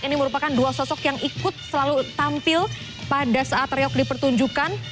ini merupakan dua sosok yang ikut selalu tampil pada saat reok dipertunjukkan